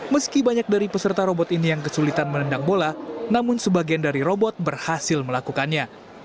meski banyak dari peserta robot ini yang kesulitan menendang bola namun sebagian dari robot berhasil melakukannya